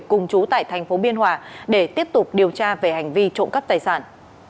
cùng chú tại thành phố biên hòa để tiếp tục điều tra về hành vi trộm cắp tài sản